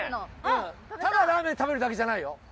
ただラーメン食べるだけじゃないよ。